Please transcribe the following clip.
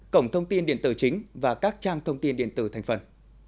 cổng thông tin điện tử chính và các trang thông tin điện tử thành phần